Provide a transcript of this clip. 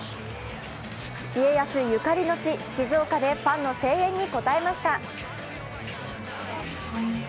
家康ゆかりの地・静岡でファンの声援に応えました。